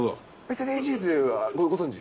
ＳＤＧｓはご存じ？